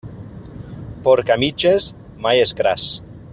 Porc a mitges, mai és gras.